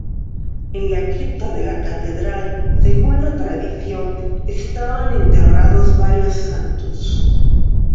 En la cripta de la catedral, según la tradición, estaban enterrados varios santos.